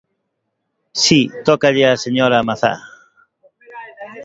Si, tócalle á señora Mazá.